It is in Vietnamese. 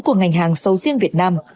của ngành hàng sầu riêng việt nam